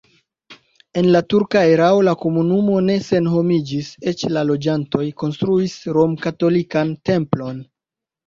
En la turka erao la komunumo ne senhomiĝis, eĉ la loĝantoj konstruis romkatolikan templon.